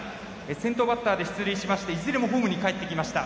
先頭バッターで出塁しましていずれもホームにかえってきました。